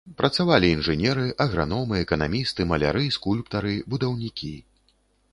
Працавалі інжынеры, аграномы, эканамісты, маляры, скульптары, будаўнікі.